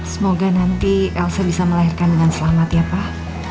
semoga nanti elsa bisa melahirkan dengan selamat ya pak